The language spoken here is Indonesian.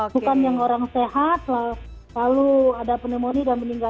bukan yang orang sehat lalu ada pneumonia dan meninggal